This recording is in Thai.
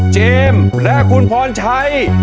เจมส์และคุณพรชัย